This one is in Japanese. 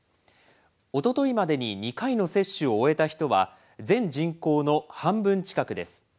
おとといまでに２回の接種を終えた人は、全人口の半分近くです。